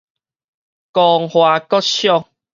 光華國小